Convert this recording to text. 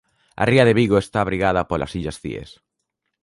A ría de Vigo está abrigada polas illas Cíes.